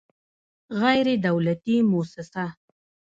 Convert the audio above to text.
غیر دولتي موسسه